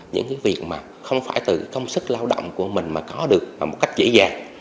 những cái việc mà không phải từ công sức lao động của mình mà có được một cách dễ dàng